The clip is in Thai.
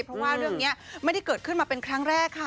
เพราะว่าเรื่องนี้ไม่ได้เกิดขึ้นมาเป็นครั้งแรกค่ะ